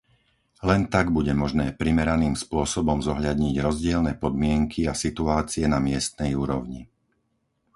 Len tak bude možné primeraným spôsobom zohľadniť rozdielne podmienky a situácie na miestnej úrovni.